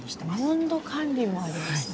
温度管理もあるんですね。